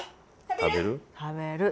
食べる？